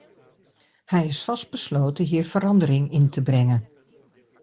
Hij is vastbesloten hier verandering in te brengen.